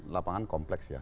lapangan kompleks ya